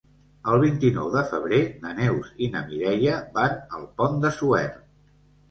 El vint-i-nou de febrer na Neus i na Mireia van al Pont de Suert.